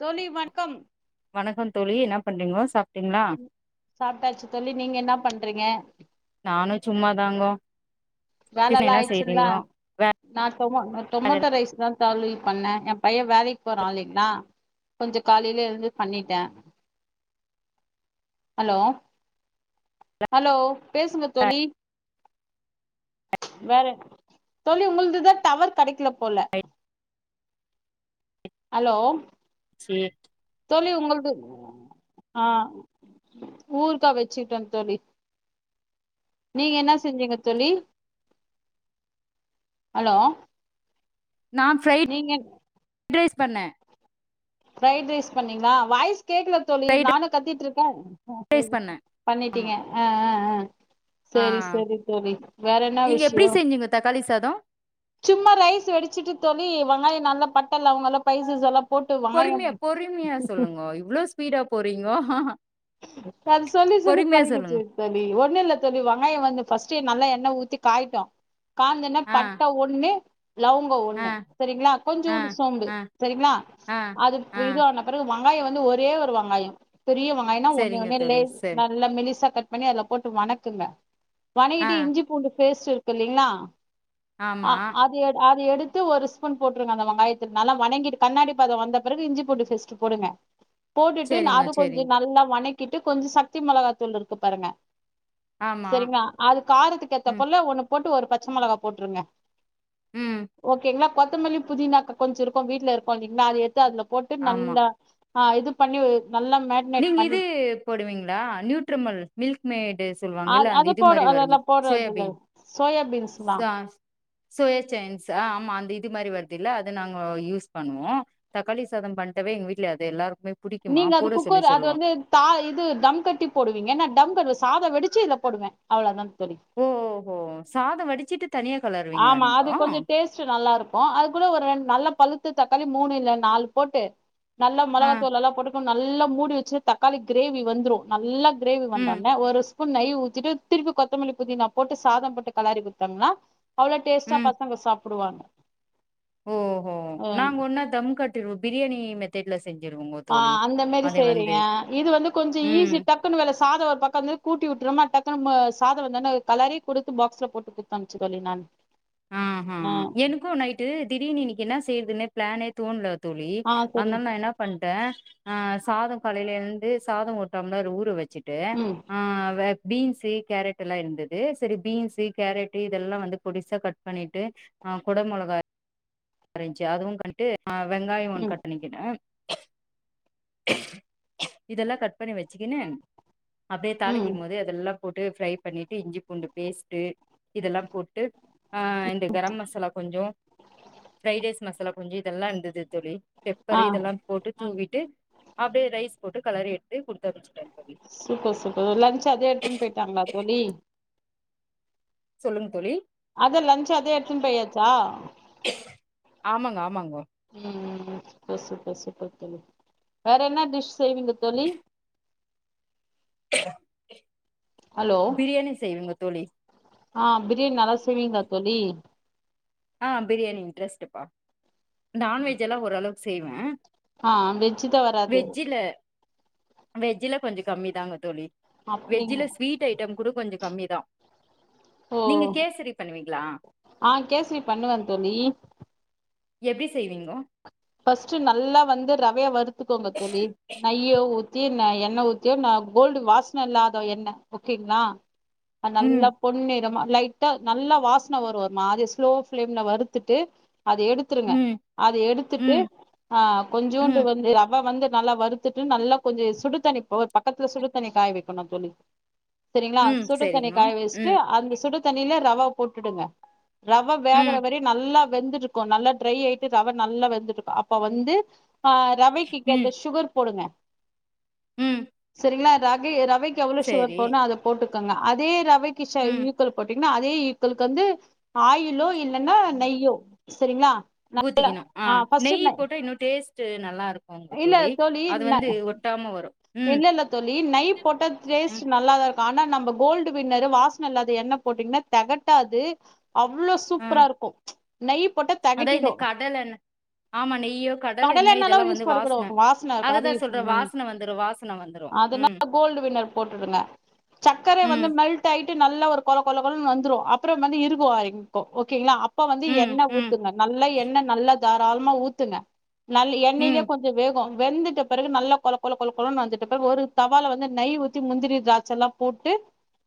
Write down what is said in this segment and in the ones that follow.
தோழி வண்க்கம் வணக்கம் தோழி என்னா பண்றீங்கோ சாப்டீங்ளா சாப்டாச்சு தோழி நீங்க என்னா பண்றீங்கா நானு சும்மாதாங்கோ டிஃபன் வேலல்லா என்னா ஆயிடுச்சுங்களா செய்தீங்கோ நா டொமொ ந டொமொட்டோ ரைஸ்தா தோழி பண்ணே எம் பையே வேலைக் போறா இல்லீங்ளா கொஞ்ச காலிலே எழுந்து பண்ணிட்டே ஹலோ ஹலோ பேசுங்க தோழி வேற தோழி உங்கள்துதா டவர் கடைக்ல போல அலோ சீ தோழி உங்கள்து ஆ ஊர்க்கா வெச்சுட்டே தோழி நீங்க என்னா செஞ்சீங்க தோழி ஹலோ நா ஃப்ரை நீங்கெங் ட் ரைஸ் பண்ணே ஃப்ரைட் ரைஸ் பண்ணீங்ளா வாய்ஸ் கேக்ல தோழி ஃப்ரைட் நானு கத்திட்ருக்கே ஆ ரைஸ் கேக்குத் பண்ணே ஆமா பண்ணிட்டீங்க ஆ ஆ ஆ ஆ சேரி சேரி தோழி வேற என்ன நீங்க எப்டி விஷ்யோ செஞ்சீங்க தக்காளி சாதோ சும்மா ரைஸ் வெடிச்சிட்டு தோழி வங்காய நல்லா பட்ட லவங்கல்லா பைசஸெல்லா போட் பொறுமியா பொறுமியா சொல்லுங்கோ இவ்ளோ ஸ்பீடா போறீங்கோ அது சொல்லி சொல்லி பொறுமையா சொல்லுங்க பழகிருச்சு தோழி ஒண்ணு இல்ல தோழி வங்காய வந்து ஃபஸ்டு நல்லா எண்ண ஊத்தி காயிட்டும் காஞ்சன்ன ஆ பட்ட ஒன் ன்னு லவுங் க ஆ ஒண்ணு செரிங்ளா ஆ கொஞ்சூன்டு சோம்பு ஆ செரிங்ளா ஆ அது ஆ இது ஆனப் பிறவு வங்காய வந்து ஒரே ஒரு வங்காயம் பெரிய வங்காயன்னா ஒன்னு செரிங்க ஒன்னேலே தோழி செரி நல்லா மெலிசா கட் பண்ணி அதுல போட்டு வணக்குங்க ஆ வணகிட்டு இஞ்சி பூண்டு பேஸ்ட்டு இருக்கு இல்லிங்ளா ஆமா அஹ் அது எடு அது எடுத் த்து ஒரு ஸ்பூன் போட்ருங்க அந்த வங்காயத்துல் நல்லா வணங்கிட்டு கண்ணாடி பதொ வந்த பிறகு இஞ்சி பூண்டு பேஸ்ட் போடுங்க போட்டுட்டு நா செரிங்க அது கொஞ்சி செரிங்க நல்லா வணக்கிட்டு கொஞ்சு சக்தி மெளகாத்துள் இருக்கு பாருங்க ஆமா செரிங்கா அது காரத்துக்கு ஏத்த ம் பொள்ள ஒண்ணு போட்டு ஒரு பச்ச மெளகா போட்ருங்க ம் ஓகேங்ளா கொத்தமல்லி புதினாக்க கொஞ்சு இருக்கு வீட்ல இருக்கு இல்லிங்ளா அது எத்து அதுல போட்டு ஆமா நல்லா ஆ இது பண்ணி நல்லா மேக் நீங்கிதூ போடுவீங்ளா நியூட்ரமுல் மில்க் மேடுஸ் அது சொல்வாங்கில்ல அந்த அது இது போடு மாரி அதெல்லா வருமே போடுறது இல்ல சோயாபீன் சோயா பீன்ஸ்தா சாஸ் சோயா ச்சேன்ஸ் ஆ ஆமா அந்த இது மாரி வர்தில்ல அத நாங்கோ யூஸ் பண்ணுவோ தக்காளி சாதம் பண்ட்டவே எங்க வீட்ல அது எல்லாருக்மே புடிக்குமா புருஸ் கொர் அது வந்து தா இது தம் கட்டி போடுவீங்க நா டம் கட்ல சாத வெடிச்சு இத்ல போடுவே அவ்வளதா தோழி ஓஹோ சாதம் வடிச்சிட்டு தனியா கலருவீங்ளா நீங்கோ ச்சு நல்லா இருக்கு அதுக்கூட ஒர் ரெண் நல்ல பழுத்த தக்காளி மூணு இல்ல நாலு போட்டு நல்லா ஆ மெளகாத்தூள் எல்லா போட்டுக்குன் நல்லா மூடி வெச்சு தக்காளி கிரேவி வந்துரு நல்லா கிரேவி ம் வந்தோனே ஒரு ஸ்பூன் நய் ஊத்திட்டு திருப்பி கொத்தமல்லி புதினா போட்டு சாதம் போட்டு கலரி குத்தோம்னா அவ்ளோ டேஸ்டா ம் பசங்க சாப்புடுவாங்க ஓஹோ ம் நாங்குன்னா தம் கட்டிர்வோ பிரியாணி மெத்தட்ல செஞ்சிருவோ ஆஹ் அந்த மெரி செய்றீங்கா இது வந்து கொஞ்சி ம் ஈசி டப் டக்குனு வேல சாத ஒரு பக்கந்து கூட்டி வுட்ருமா டக்குனு மோ சாத வந்தன்ன கலரே குடுத்து பாக்ஸ்ல போட்டு குத்தனுச்சு தோழி நானு ஆஹ ஆ எனக்கு நைட்டு திடீர்னு இன்னைக்கு என்ன செய்றதுன்னே பிளானே தோண்ல தோழி ஆ சரி அந்தமா என்னா பண்ட்ட ஆ சாதோ காலைல எழ்ந்து சாதோ ஒரு டம்ளர் ஊற வச் சுட்டு ம் ஆ வப் பீன்ஸு கேரட் எல்லா இருந்துது செரி பீன்ஸு கேரட்டு இதெல்லா வந்து பொடிசா கட் பண்ணீட்டு அ கொட மொளகா இருந்ச்சு அதுவு பண்ட்டு அ வெங்காயோ ஒன் ம் கட் பண்ணி கின இதெல்லா கட் பண்ணி வச்சிக்கினு அப்டே ம் தாளிக்கும் போது அதெல்லா போட்டு ஃபரை பண்ணிட்டு இஞ்சி பூண்டு பேஸ்ட்டு இதெல்லா போட்டு ஆ இந்த கரம் மசாலா கொஞ்சோ ஃப்ரைட் ரைஸ் மசாலா கொஞ்சோ இதெல்லா இந்தது தோழி பெப்பர் ஆ இதெல்லா போட்டு தூவிட்டு அப்டே ரைஸ் போட்டு கலறி எடுத்து குடுத்தனுப்ச்ட்டே தோழி சூப்பர் சூப்பர் ஒ லன்ச் அதே எடுத்துன் போய்ட்டாங்ளா தோழி சொல்லுங் தோழி அதா லன்ச் அதே எடுத்துன் போயாச்சா ஆமாங்க ஆமாங்கோ ம் ம் ம் ஓசூப்பர் சூப்பர் தோழி வேற என்ன டிஷ் செய்வீங்க தோழி ஹலோ பிரியாணி செய்வங்க தோழி ஆ பிரியாணி நல்லா செய்வீங்ளா தோழி ஆ பிரியாணி இன்ட்ரஸ்ட்டுப்பா நான்வெஜ்ஜெல்லா ஓரளவுக்கு செய்வ ஆ வெஜ்ஜு தா வராது வெஜ்ஜில வெஜ்ஜில கொஞ்சோ கம்மி தாங்க தோழி அப்டிங் வெஜ்ஜில ஸ்வீட் ஐட்டம் கூட கொஞ்ச கம்மிதா ஓ நீங்க கேசரி பண்வீங்ளா ஆ கேசரி பண்ணுவ தோழி எப்டி செய்வீங்கோ ஃபர்ஸ்ட்டு நல்லா வந்து ரவைய வறுத்துக்கோங்க தோழி நைய்ய ஊத்தி நா எண்ணெ ஊத்தி நா கோல்டு வாசன இல்லாத எண்ண ஓகேங்ளா ம் நல்லா பொன்னிறமா லைட்டா நல்லா வாசன வரு நா அத ஸ்லோ ஃபிளேம்ல வறுத்துட்டு அத எடுத் துருங்க ம் அத எடுத்துட் ம் ஆ கொஞ்சூண்டு ம் வந்து ரவ வந்து நல்லா வறுத்துட்டு நல்லா கொஞ்ச சுடு தண்ணி போ பக்கத்துல சுடு தண்ணி காய வெக்குனு தோழி செரிங்ளா ம் சுடு தண்ணி செரிங்கோ காய வெச்ட்டு ம் அந்த சுடு தண்ணில ரவா போட்டுடுங்க ரவ வேகற ம் வரயு நல்லா வெந்துருக்கு நல்லா ட்ரை ஆயிட்டு ரவ நல்லா வெந்துருக் அப்ப வந்து ஆ ரவைக்கு கேத்த ம் சுகர் போடுங்க ம் செரிங்ளா ரவி ரவைக்கு எவ்ளோ சுகர் செரி போட்னு அத போட்டுக்கங்க அதே ரவைக் ம் [unintelligible] ன்னு அதே ஈக்களுக்கு வந்து ஆயிலோ இல்லன்னா நெய்யோ செரிங்ளா ஊத்திக்கினு ஆ நெய் போட்டா இன்னு டேஸ்ட்டு நல்லாருக்குங்க இல்ல தோழி அது வந்து ஒட்டாம வரு ம் இல்லல்ல தோழி நய் போட்டா டேஸ்ட் ம் ந ல்லாதா இருக்கு ஆனா நம்ம கோல்டு வின்னரு வாசன இல்லாத எண்ண போட்டீங்ன்னா தெகட்டாது அவ்ளோ ஆ சூப்ரா இருக்கு நெய் போட்டா அதா இந்த தெகட்டிடு கடலெண்ண ஆமா நெய்யோ கடலெண்ண கடலெண்ணெல்லா இதெல்லா வந்து யூஸ் வாசன பண்ணக்கூடாது வாசன இருக்காது அதுதா சொல்ற ம் வாசன வந்துரு வாசன வந்துரு ம் அதனால கோல்டு வின்னர் போட்டுடுங்க சக்கரைய வந்து ம் மெல்ட் டட்டாயிட்டு நல்லா ஒரு கொழ கொழ கொழனு வந்துரு அப்றம் வந்து இருகு ஆரம்பிக்கு ஓகேங்ளா அப் ப வந்து ம் எண்ண ம் ஊத்துங்க நல்லா எண்ண நல்ல தாராளமா ஊத்துங்க நல் எண்ணெலயே ம் கொஞ் வேகு வெந்துட்ட பிறகு நல்லா கொழ கொழ கொழ கொழனு வந்துட்டபிறகு ஒரு தவால வந்து நெய் ஊத்தி முந்திரி திராச்செல்லா போட்டு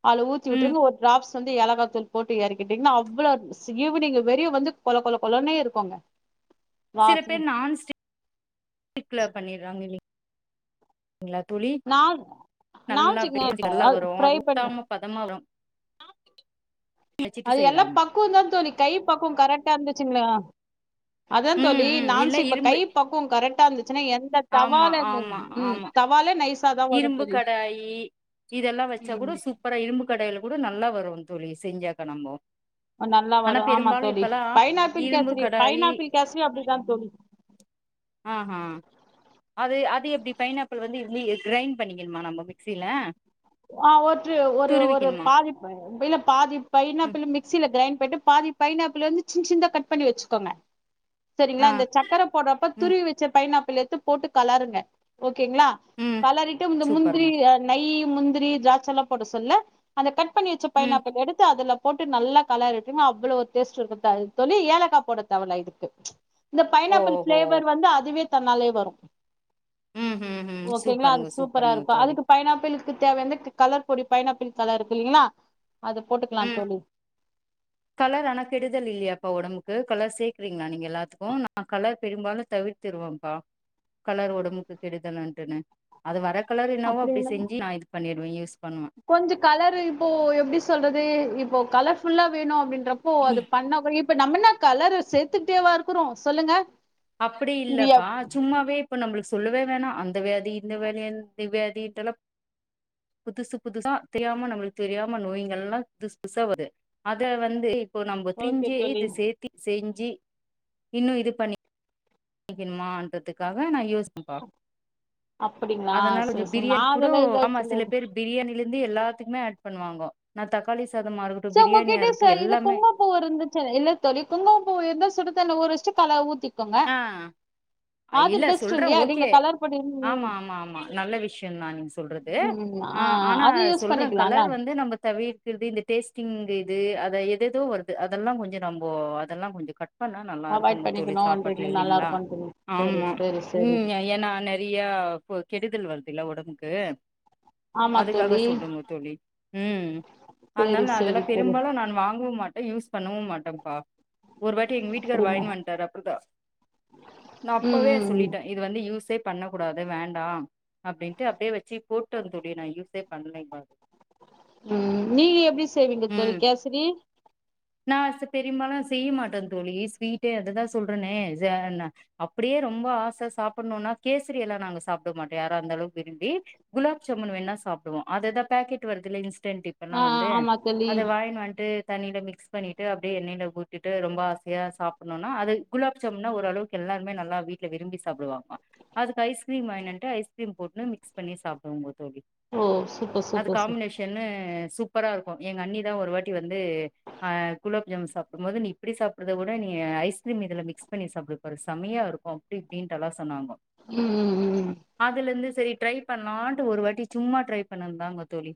அதுல ஊத்தி ம் வுட்ருங்க ஒரு ட்ராப்ஸ் வந்து ஏலக்காத்தூள் போட்டு எறக்கிட்டீங்ன்னா அவ்ளோவ் ஸிஈவினிங்கு வெரிய வந்து கொழ கொழ கொழனே இருக்குங்க சில வாசன பேர் நான்ஸ்டிக்ல பண்ணிட்றாங்க இல்லைங் களா தோழி நா நல்லா நான்வெஜ்ங்க பேச [unintelligible] வரும் அது ஃப்ரை பண்ண ஒட்டாம பதமாவரு அது எல்லா பக்குவ தா தோழி கை பக்குவ கரெட்டா இருந்துச்சுங்ளே அதா ம் தோழி ம் இல்ல நான்ஸ்டிக் இப்ப கை இரும்பு பக்குவ கரெட்டா இருந்துச்சுன்னா எந்த தவால ஆமா இருந் ஆமா ம் ஆமா தவாலே நைஸ் இரும்பு கடாயி இதெல்லா வச்சா ம் குட சு கட இரும்பு கடையில கூட நல்லா வரு தோழி செஞ்ஜாக்கா நம்போ நல்லா ஆனா வரு ஆமா பெரும்பாலு தோழி இப்பல்லா பைனாப்பிள் இரும்பு கேசரி கடாயி பைனாப்பிள் கேசரியு அப்டிதா தோழி ஆஹ அது அது எப்டி பைனாப்பிள் வந்து இந்து எது கிரைண்ட் பண்ணிக்குனுமா நம்ம மிக்சியில ஆ ஒற்று ஒரு ஒரு பாதிப் பில்ல பாதி ம் பைனாப்பிளு மிக்சில கிரைண் பண்ட்டு பாதி பைனாப்பிளு வந்து சின்சின்தா கட் பண்ணி வச்சுக்கோங்க செரிங்களா ஆ இந்த சக்கர போட்றப்ப ம் துருவி வெச்ச பைனாப்பிள் எடுத்து போட்டு கலருங்க ஓகேங்களா ம் கலறிட்டு இந்த முந்திரி சூப்பருங்க அ நைய் முந்திரி திராட்செல்லா போட சொல்ல அந்த கட் பண்ணி வச்ச ம் பைனாப்பிள் எடு த்து அதுல போட்டு நல்லா கலறிட்டுங்க அவ்ளோ ஒரு டேஸ்ட் இருக்கும் தோழி ஏலக்கா போட தேவயில்ல இதுக்கு இந்த பைனாப்பிள் ஓஹோ ஃபிளேவர் வந்து அதுவே தன்னாலே வரும் ம் ம் ம் ஓகேங்ளா அது சூப்பருங்க சூப்பரா சூப்பருங்க இருக்கும் தோழி அதுக்கு பைனாப்பிள் தேவையானந்து கலர் பொடி பைனாப்பிள் கலர் இருக்கு இல்லைங்ளா அது போட்டுக்கலாம் ம் தோழி கலர் ஆனா கெடுதல் இல்லையாப்பா ஒடம்புக்கு கலர் சேக்றீங்களா நீங்க எல்லாத்துக்கும் நா கலர் பெரும்பாலும் தவிர் திருவோம்பா கலர் ஒடம்புக்கு கெடுதலான்ட்டுன்னு அது வர கலர் என்னாவோ அப்டி அப்படிங்களா செஞ்சு நா இது பண்ணிடுவ யூஸ் பண்ணுவ கொஞ்ச கலர் இப்போ எப்டி சொல்றது இப்போ கலர் ஃபுல்லா வேணும் அப்டின்றப் ப்போ அது பண்ணா இப்ப நம்மனா கலரு சேத்துக்கிட்டேவா இருக்குறோம் சொல்லுங்க அப்டி இது எப் இல்லப்பா சும்மாவே இப்ப நம்ளுக் சொல்லவே வேணாம் அந்த வியாதி இந்த வியாதி எந் த வியாதி இப்பலப் புதுசு புதுசுா தெரியாம நம்ளுக் தெரியாம நோய்ங்கள்ல்லா புதுசு புதுசா வருது அத வந்து இப்போ நம்ம ஓகே த்ரிஞ்சு தோழி இது சேத்தி செஞ்சு இன்னும் இது பண்ணி க்கணுமா இன்றதுக்காக நா யோஸ் [inaudible] அப்டிங்களா அதனால இது சேரி சேரி நா பிரியாணி கூடோ அதெல்லா இல்ல ஆமா தோழி சில பேரு பிரியாணில இருந்து எல்லாத்துக்குமே ஆட் பண்ணுவாங்க நா தக்காளி சாதமா சார் உங்க பிரியாணியா கிட்டயே இருக்கட்டு சார் இது எல்லாமே குங்கோ பூ இருந்துச்சு இல்ல தோழி குங்கும பூ இருந்தா சுடு தண்ணீல ஊர வச்சி கலர் ஊத்தி ஆ இல்ல பெஸ்ட் சொல்றே இல்லையா நீங்க ஓகே கலர் பண்ணி ஆமா ஆமா ஆமா நல்ல விஷ் யம் தா நீங்க சொல்றது ம் ம் ஆ ஆனா அது யூஸ் சொல்ற பண்ணிக்கலால்ல கலர் வந்து நம்ம தவிர் க்றது இந்த டேஸ்டிங் இது அத எது எதோ வருது அதெல்லாம் கொஞ்சம் நம்ம அதெல்லாம் கொஞ்சம் கட் ட் பண்ணா நல்லா அவாய்ட் இருக்குங்க தோழி சாப்பாட்டுல பண்ணிக்கணுன்றீங்க நல்லா இல்லீங்களா இருக்குன்னு சொல்லி சரி சரி சரி ஏன்னா நெறைய கெடுதல் வருதுல்ல ஒடம்புக்கு ஆமா அதுக்காக தோழி சொல்றங்க தோழி ம் அன்னால சேரி நா சேரி அதெல்லாம் தோழி பெரும்பாலும் நான் வாங்கவும் மாட்ட யூஸ் பண்ணவும் மாட்டம்ப்பா ஒரு வாட்டி எங்க வீட்டுகார் அப்டிங்களா வாயின் வந்ட்டாரு அப்டிதா நா ம் அப்பவே ம் ம் சொல்லிட்ட இது வந்து யூஸே பண்ண கூடாது வேண்டாம் அப்டின்ட்டு அப்டியே வெச்சு போட்ட தோழி நா யூஸே பண்ணலப்பா ம் நீங்க எப்டி செய்வீங்க தோழி ம் கேசரி நா பெருபாலும் செய்ய மாட்டேன் தோழி ஸ்வீட்டே அததா சொல்றனே அப்டியே ரொம்ப ஆசயா சாப்புன்னோனா கேசரி எல்லாம் நாங்க சாப்ட மாட்டோம் யார இருந்தாலும் விரும்பி குலாப் ஜாமுன் வேன்னா சாப்டுவோம் அதுதா பாக்கெட் வருதுல இன்ஸ்டன்ட் வேன்னா ஆ வந்து ஆமா தோழி அத வாய்ன் வந்ட்டு தண்ணில மிக்ஸ் பண்ணிட்டு அப்டியே எண்ணெய்ல கூட்டிட்டு ரொம்ப ஆசையா சாப்புனோனா அது குலாப் ஜாம்னா ஓரளவுக் எல்லாருமே நல்ல வீட்ல விரும்பி சாப்டுவாங்க அதுக்கு ஐஸ்கிரீம் வாய்ன் வந்ட்டு ஐஸ்கிரீம் போட்டு மிக்ஸ் பண்ணி சாப்டுவாங்க தோழி ஓ சூப்பர் சூப்பர் சூப்பர் என்ன சூப்பரா இருக்கும் எங்க அண்ணிதா ஒரு வாட்டி வந்து அ குலாப் ஜாமுன் சாப்டும்போது நீ இப்டி சாப்டுறத விட நீ ஐஸ்கிரீம் இதுல மிக்ஸ் பண்ணி சாப்ட்டு பாரு செம்மயா இருக்கும் அப்டி இப்டின்டுலா சொன்னாங்கோ ம் ம் அதுல இருந்து சரி ட்ரை பண்லான்ட்டு ஒரு வாட்டி சும்மா ட்ரை பண்ணதுதாங்க தோழி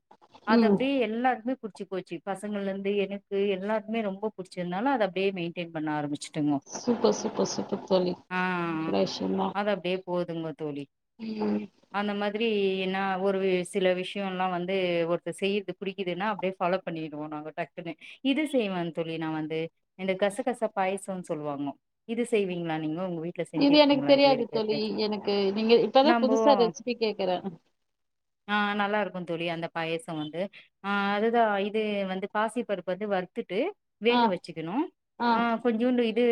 அது ம் ம் அப்டியே எல்லாருக்குமே புடிச்சு போச்சு பசங்கள்லந்து எனக்கு எல்லாருக்குமே ரொம்ப புடிச்சனால அது அப்டியே மெயின்டெயின் பண்ண ஆரம்புச்சுட்டோங்க சூப்பர் சூப்பர் சூப்பர் தோழி அ நல்ல விஷயந்தா அது அப்டியே போதுங்க தோழி ம் அந்த மாதிரி எநா ஒரு சில விஷ்யோ லா வந்து ஒருத்தர் செய்து புடிக்குதுனா அப்டியே ஃபாலோ பண்ணிடுவோ நாங்க டக்குன்னு இது செய்வே தோழி நா வந்து இந்த கச கச பாயசம்னு சொல்லுவாங்கோ இது செய்வீங்களா நீங்க உங்க வீட்டு இது எனக்கு தெரியாது தோழி எனக்கு நீங்க இப்பதா நம்போ புதுசா ரெசிபி கேக்குறே அ நல்லா இருக்கு தோழி அந்த பாயசோ வந்து அ அதுதா இது வந்து பாசி பருப்பு வந்து வறுத்துட்டு வேக ஆ வச்சுக்கணு ஆ அ கொஞ்சுண்டு இது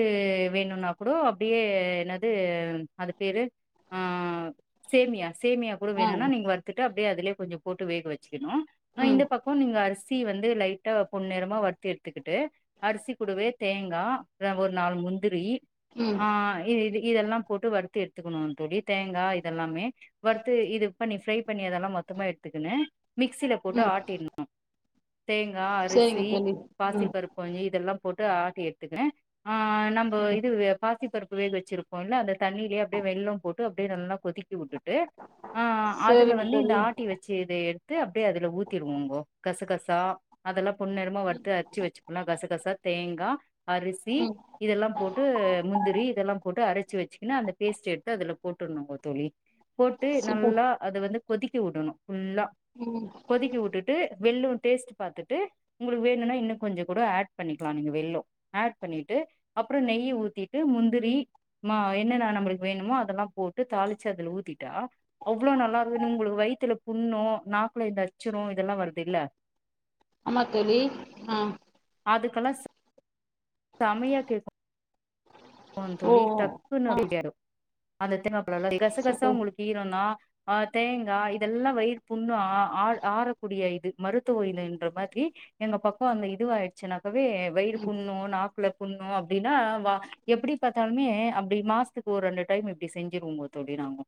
வேணுனா கூடோ அப்டியே என்னது அது பேரு அ சேமியா சேமியாப் கூட ஆ வேணுனா நீங்க வறுத்துட்டு அப்டியே அதுலயே கொஞ்சோ போட்டு வேக வச்சுக்கணு ம் இந்த பக்கோ நீங்க அரிசி தீ வந்து லைட்டா பொன்னிறம வறுத்து எடுத்துக்கிட்டு அரிசி கூடவே தேங்கா ஒரு நாலு முந்திரி ம் அ இ இது இதெல்லாம் போட்டு வருத்து எடுத்துக்கணு தோழி தேங்கா இதெல்லாமே வற்த்து இது பண்ணி ஃப்ரை பண்ணி அதெல்லா மொத்தமா எடுத்துக்குனு மிக்சி போட்டு ம் ஆட்டிணு தேங்கா சேரிங்க அரிசி தோழி ம் பாசிப்பருப் பு கொஞ்சோ இதெல்லா போட்டு ஆட்டி எடுத்துக்குனு அ நம்ம இது பாசி பருப்பு வேக வச்சி இப்போ என்ன அந்த தண்ணிலயே அப்படிய வெல்லோ போட்டு அப்டியே நல்லா கொதிக் க வுட்டுட்டு அ அதுல சேரிங்க வந்து இந்த தோழி ஆட்டி வெச்செத எடு த்து அப்டியே அதுல ஊத்திரு வேங்கோ கசகசா அதெல்லா பொன்னிறமா வறுத்து அரிச்சு வச்சுக்லா கசகசா தேங்கா அரிசி ம் இதெல்லா போட்டு முந்திரி இதெல்லா போட்டு அரச்சு வெச்சுக்குனு அந்த பேஸ்ட் எடுத்து அதுல போட்டுணுங்க தோழி போட்டு சூப்பர் நல்லா அத வந்து கொதிக்கி விடணு ஃபுல்லா ம் கொதிக்கி வுட்டுட்டு வில்லு டேஸ்ட்டு பாத்துட்டு உங்களுக்கு வேணுனா இன்னு கொஞ்சோ கூட ஆட் பண்ணிக்லா நீங்க வெல்லோ ஆட் பண்ணிட்டு அப்புறோ நெய் ஊத்திட்டு முந்திரி மா என்னன்ன நம்மளுக்கு வேணுமோ அதெல்லா போட்டு தாளிச்சு அதுல ஊத்திட்டா அவ்ளோ நல்லா இருக்கு உங்களுக்கு வயித்துல புண்ணோ நாக்குள இந்த அச்சுரோ இதெல்லா வருதில ஆமா தோழி அ அதுக்கெல்லா செ [inaudible] செமையா கேக்கு ஆமா ஓ தோழி டக்குனு ஓ ஆ அப்டி ஏறு அதெத்தனாப்ல கசகசா சூப்பர் உங்களுக்கு வேனுனா அ தேங்கா இதெல்லா வயிறு புண்ணு அ ஆல் ஆறக்கூடிய இது மருத்துவ இலைன்ற மாத்ரி எங்க பக்கோ அந்த இதுவாயிடுச்சுன்னாக்கவே வயிறு புண்ணு நாக்குல புண்ணு அப்டின்னா வா எப்டி பாத்தாலுமே அப்டி மாஸ்த்துக்கு ஒரு ரெண்டு டைம் இப்டி செஞ்சிருவோங்கோ தோழி நாங்கோ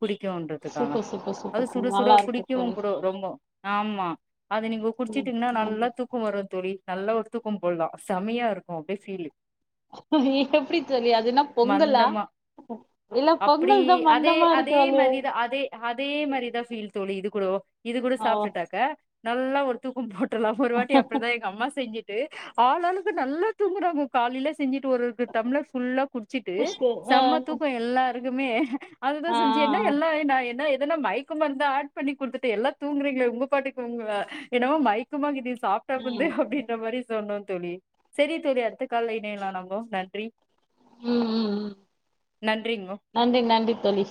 புடிக்குன்றதுக்காக சூப்பர் சூப்பர் அது சூப்பர் தோழி சுடசுட நல்லா இருக்கு புடிக்கு தோழி கூட ரொம்பொ ஆமா அது நீங்கோ ம் குட்ச்சிட்டீங்ன்னா ம் நல்லா தூ க்கோ வரு தோழி நல்லா ஒரு தூக்கோ போல்லா செமையா இருக்கு அப்டியே ஃபீலு அது எப்படி தோழி அது இன்னா பொங்கலா மந்தமா இல்ல அப்டி பொங்கல் தா அதே மந்தமா அதே இருக்கு அது மாரிதா அதே அதே மாரிதா ஃபீல் தோழி இது கூடவு இது கூட ஓ சாப்பிட்டுட்டாக்க நல்லா ஒரு தூக்கோ போட்டரலா ஒரு வாட்டி அப்டிதா எங்கம்மா செஞ்சு ட்டு ஆளாளுக்கு நல்லா தூங்கறாங்க காலைல செஞ்சுட்டு ஒரு ஒரு டம்ளர் ஃபுல்லா குட்ச்சுட்டு சிஸ்டர் ஆ செம்ம தூக்கோ எல்லாருக்குமே அதுதா ஆ ஆ செஞ்சு என்னா ஆ எல்லா என்னா என்னா ஏதனா மயக் தூக்க மருந்தா ஆட் பண்ணி குடுத்துட்டு எல்லா தூங்குறீங்களே உங்க பாட்டுக்குங்குறா உங்கள என்னவோ மயக்கமாகிதே சாப் சாப்புடுதே ம் அப்டின்ற மாரி சொன்னோ தோழி சரி தோழி அடுத்த கால்ல இணையலா நம்போ நன்றி ம் ம் ம் நன்றிங்கோ நன்றி நன்றி தோழி